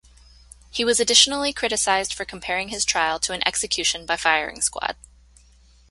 He was additionally criticised for comparing his trial to an execution by firing squad.